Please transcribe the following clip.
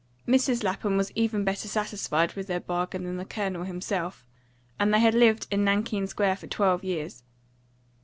Mrs. Lapham was even better satisfied with their bargain than the Colonel himself, and they had lived in Nankeen Square for twelve years.